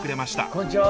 こんにちは。